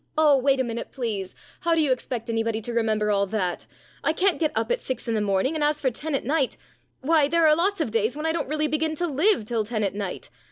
" Oh, wait a minute, please ! How do you expect anybody to remember all that ? I can't get up at six in the morning, and as for ten at night why, there are lots of days when I don't really begin to live till ten at night.